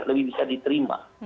lebih bisa diterima